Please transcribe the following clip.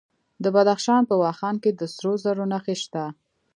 د بدخشان په واخان کې د سرو زرو نښې شته.